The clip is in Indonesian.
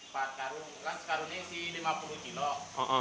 pak karun kan sekarunnya sih lima puluh kilo